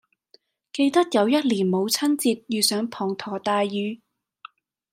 記得有一年母親節遇上滂沱大雨